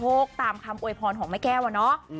อยากมีโชคตามคำโอยพรของแม่แก้วอะเนาะ